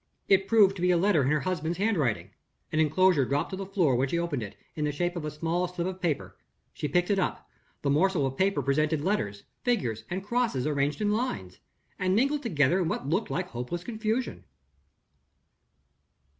It proved to be a letter in her husband's hand writing. An inclosure dropped to the floor when she opened it, in the shape of a small slip of paper. She picked it up. The morsel of paper presented letters, figures, and crosses arranged in lines, and mingled together in what looked like hopeless confusion.